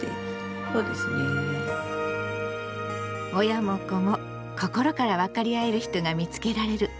親も子も心から分かり合える人が見つけられる。